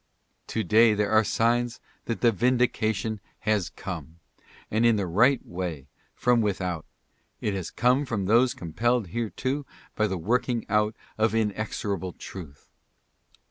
To day there are signs that the vindication has come, and in the right way — from without. It has come from those compelled thereto by the working out of inexorable truth.